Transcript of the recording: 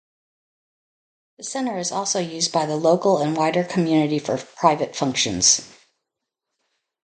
The centre is also used by the local and wider community for private functions.